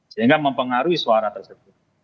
sehingga mempengaruhi suara tersebut